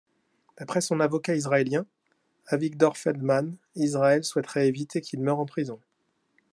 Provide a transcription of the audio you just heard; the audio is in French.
D’après son avocat israélien, Avigdor Feldman, Israël souhaitait éviter qu'il meure en prison.